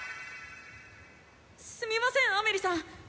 「すみませんアメリさん！